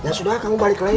ya sudah kamu balik lagi